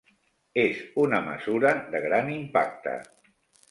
És una mesura de gran impacte.